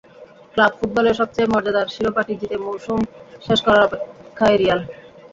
Club ফুটবলে সবচেয়ে মর্যাদার শিরোপাটি জিতে মৌসুম শেষ করার অপেক্ষায় রিয়াল।